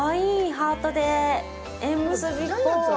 ハートで、縁結びっぽい。